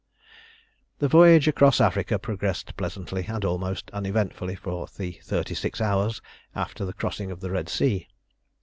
The voyage across Africa progressed pleasantly and almost uneventfully for the thirty six hours after the crossing of the Red Sea.